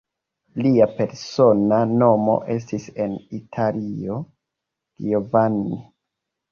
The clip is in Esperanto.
Lia persona nomo estis en Italio Giovanni.